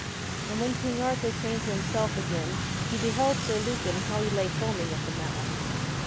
And when king Arthur came to himself again, he beheld Sir Lucan how he lay foaming at the mouth.